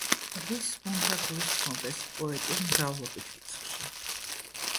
ვის უნდა გულისხმობდეს პოეტი მრავლობით რიცხვში?